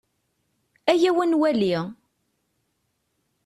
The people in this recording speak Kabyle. Ayaw ad nwali.